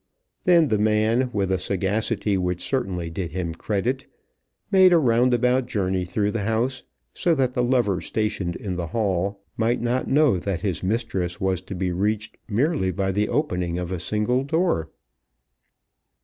Then the man, with a sagacity which certainly did him credit, made a roundabout journey through the house, so that the lover stationed in the hall might not know that his mistress was to be reached merely by the opening of a single door.